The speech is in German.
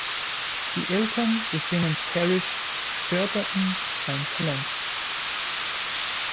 Die Eltern des jungen Parrish förderten sein Talent.